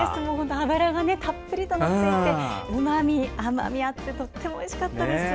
脂がたっぷりとのっていてうまみ、甘みがあってとてもおいしかったです。